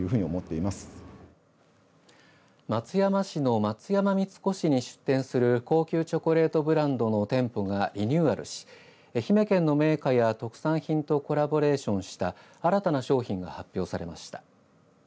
松山市の松山三越に出店する高級チョコレートブランドの店舗がリニューアルし愛媛県の銘菓や特産品とコラボレーションした新たな商品が発表されました。